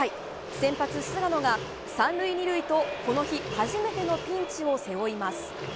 先発、菅野が３塁２塁とこの日初めてのピンチを背負います。